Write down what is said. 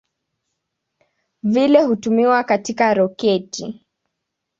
Vile hutumiwa katika roketi.